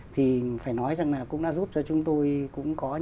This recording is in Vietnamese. thì phải nói rằng nào cũng đã giúp cho chúng tôi cũng có những cái